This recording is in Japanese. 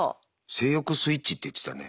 「性欲スイッチ」って言ってたね。